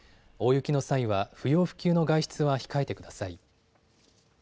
大雪の際は不要不急の外出は控えてください。